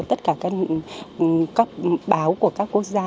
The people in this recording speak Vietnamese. tất cả các báo của các quốc gia